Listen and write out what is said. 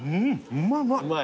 うまい？